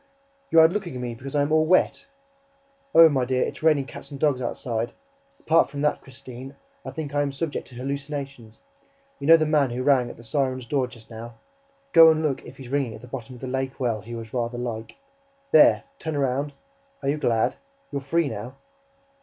YOU'RE LOOKING AT ME BECAUSE I AM ALL WET? ... Oh, my dear, it's raining cats and dogs outside! ... Apart from that, Christine, I think I am subject to hallucinations ... You know, the man who rang at the siren's door just now go and look if he's ringing at the bottom of the lake well, he was rather like... There, turn round ... are you glad? You're free now...